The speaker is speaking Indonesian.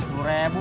sudah pulang ya bu